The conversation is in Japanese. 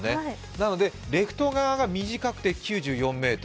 なのでレフト側が短くて９４ｍ。